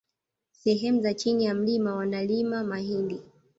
Sehemu za chini ya mlima wanalimwa mahindi